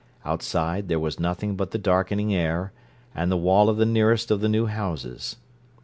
Outside there was nothing but the darkening air and the wall of the nearest of the new houses.